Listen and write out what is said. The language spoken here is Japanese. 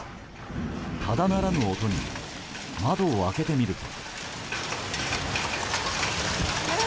ただならぬ音に窓を開けてみると。